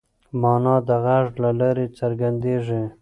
مانا د غږ له لارې څرګنديږي.